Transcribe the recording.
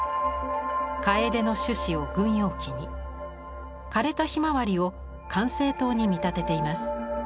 カエデの種子を軍用機に枯れたヒマワリを管制塔に見立てています。